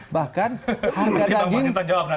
bahkan harga daging